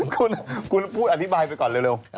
คุณพูดอธิบายไปก่อนเร็ว